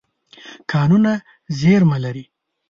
کانونه زیرمه لري.